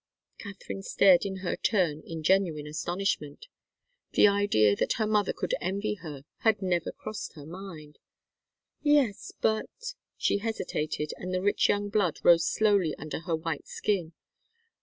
Katharine stared in her turn, in genuine astonishment. The idea that her mother could envy her had never crossed her mind. "Yes but " she hesitated, and the rich young blood rose slowly under her white skin.